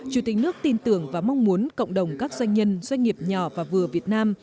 chủ tịch nước tin tưởng và mong muốn cộng đồng các doanh nhân doanh nghiệp nhỏ và vừa việt nam